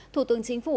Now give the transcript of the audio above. thủ tướng chính phủ